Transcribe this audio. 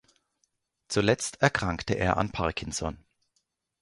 Zuletzt erkrankte er an Parkinson.